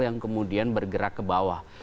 yang kemudian bergerak ke bawah